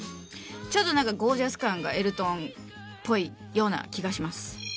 ちょっとなんかゴージャス感がエルトンっぽいような気がします。